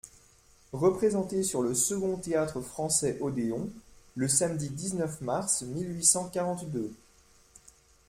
Représentée sur le second Théâtre-Français odéon , le samedi dix-neuf mars mille huit cent quarante-deux.